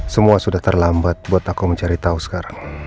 semua sudah terlambat buat aku mencari tahu sekarang